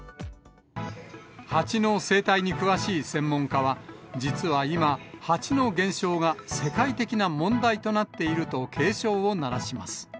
ハチの生態に詳しい専門家は、実は今、ハチの減少が世界的な問題となっていると警鐘を鳴らします。